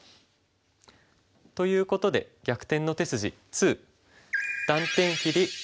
ということで「逆転の手筋２」。